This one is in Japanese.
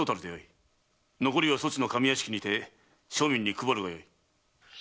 残りはそちの上屋敷にて庶民に配るがよい。